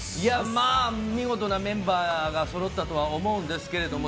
まあ、見事なメンバーがそろったとは思うんですけれども。